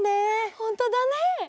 ほんとだね。